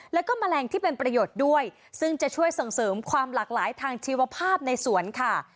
แล้วก็แมลงที่เป็นประโยชน์ด้วยซึ่งจะช่วยส่งเสริมความหลากหลายทางชีวภาพในสวนค่ะ